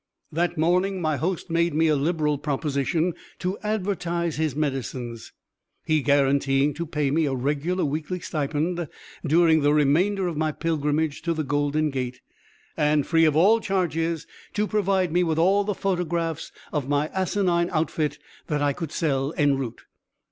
That morning my host made me a liberal proposition to advertise his medicines, he guaranteeing to pay me a regular weekly stipend during the remainder of my pilgrimage to the Golden Gate, and, free of all charges, to provide me with all the photographs of my asinine outfit that I could sell en route.